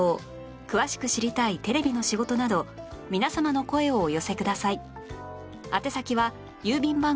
詳しく知りたいテレビの仕事など皆様の声をお寄せください